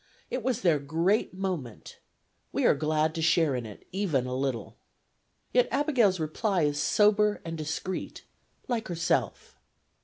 It was their great moment; we are glad to share in it, even a little. Yet Abigail's reply is sober and discreet, like herself.